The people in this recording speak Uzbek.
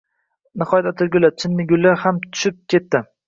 Nihoyat atirgullar, chinnigullar ham tushib ketdi.